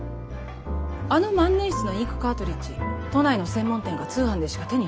あの万年筆のインクカートリッジ都内の専門店か通販でしか手に入らないんです。